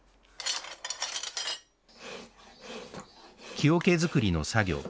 木桶作りの作業。